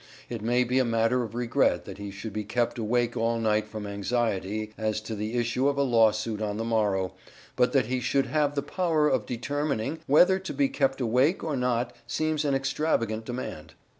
It may be a matter of regret that he should be kept awake all night from anxiety as to the issue of a lawsuit on the morrow, but that he should have the power of determining whether he be kept awake or not seems an extravagant demand.